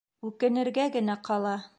... үкенергә генә ҡала